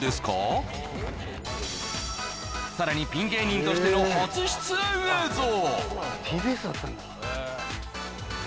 さらにピン芸人としての初出演映像！